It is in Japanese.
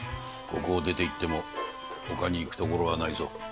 ここを出ていってもほかに行く所はないぞ。